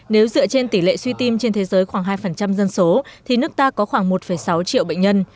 nếu dựa trên tỷ lệ suy tim trên thế giới khoảng hai dân số thì nước ta có khoảng một sáu triệu bệnh nhân